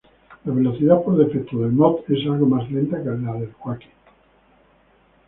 La velocidad por defecto del mod es algo más lenta que la de Quake.